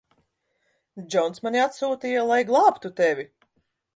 Džons mani atsūtīja, lai glābtu tevi.